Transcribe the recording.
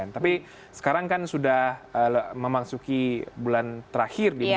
tapi sekarang kan sudah memasuki bulan terakhir di dua ribu delapan belas